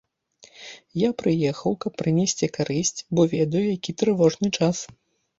Я прыехаў, каб прынесці карысць, бо ведаю, які трывожны час.